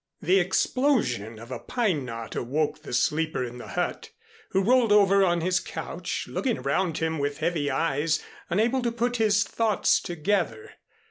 The explosion of a pine knot awoke the sleeper in the hut, who rolled over on his couch, looking around him with heavy eyes, unable to put his thoughts together.